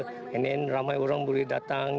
kemudian ramai orang datang